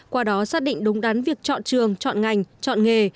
qua đó xác định đúng đắn việc chọn trường chọn ngành chọn nghề